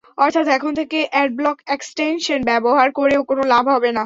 অর্থাৎ, এখন থেকে অ্যাডব্লক এক্সটেনশন ব্যবহার করেও কোনো লাভ হবে না।